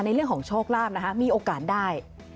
ในเรื่องของโชคนราบมีโอกาสได้